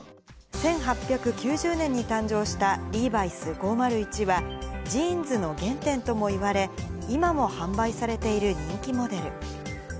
１８９０年に誕生したリーバイス５０１は、ジーンズの原点ともいわれ、今も販売されている人気モデル。